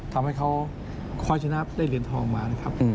ทำให้เขาคอยชนะได้เหรียญทองมา